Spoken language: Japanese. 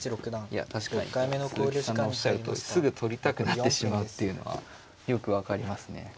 いや確かに鈴木さんのおっしゃるとおりすぐ取りたくなってしまうっていうのはよく分かりますね。